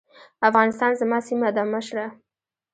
افغانستان زما سيمه ده مشره.